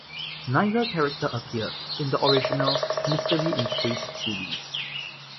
Neither character appeared in the original "Mystery In Space" series.